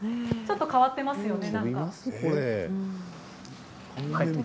ちょっと変わってますよね。